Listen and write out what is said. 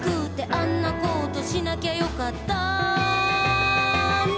「あんなことしなきゃよかったな」